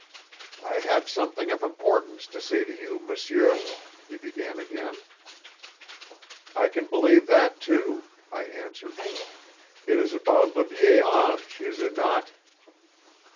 "I have something of importance to say to you, monsieur," he began again. "I can believe that, too," I answered. "It is about le Vieil Ange, is it not?"